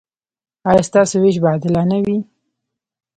ایا ستاسو ویش به عادلانه وي؟